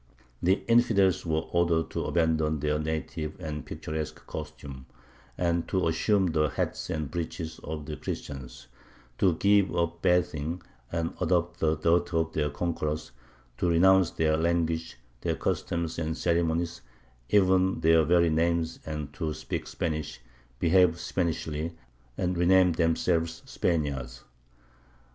The "infidels" were ordered to abandon their native and picturesque costume, and to assume the hats and breeches of the Christians; to give up bathing, and adopt the dirt of their conquerors; to renounce their language, their customs and ceremonies, even their very names, and to speak Spanish, behave Spanishly, and re name themselves Spaniards.